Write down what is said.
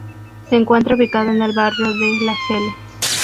Se encuentra ubicado en el barrio de LaSalle.